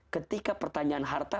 ketika pertanyaan harta